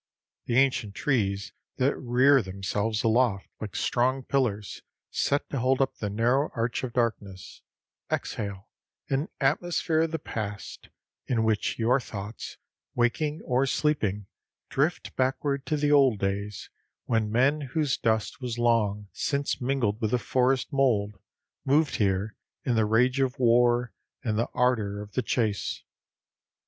The ancient trees that rear themselves aloft like strong pillars set to hold up the narrow arch of darkness, exhale an atmosphere of the past, in which your thoughts, waking or sleeping, drift backward to the old days when men whose dust was long since mingled with the forest mould moved here in the rage of war and the ardor of the chase.